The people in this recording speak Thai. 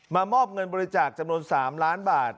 มอบเงินบริจาคจำนวน๓ล้านบาท